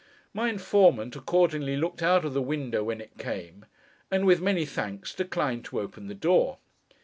My informant accordingly looked out of the window when it came; and, with many thanks, declined to open the door.